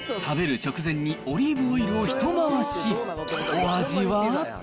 食べる直前にオリーブオイルを一回し。